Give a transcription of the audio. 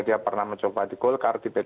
dia pernah mencoba di golkar di b tiga